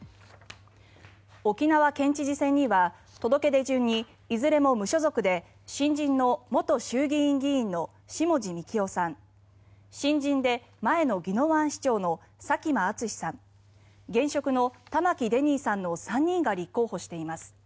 沖縄県知事選には届け出順にいずれも無所属で、新人の元衆議院議員の下地幹郎さん新人で前の宜野湾市長の佐喜眞淳さん現職の玉城デニーさんの３人が立候補しています。